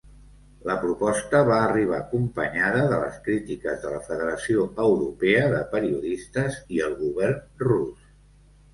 La proposta va arribar acompanyada de les crítiques de la federació europea de periodistes i el govern rus.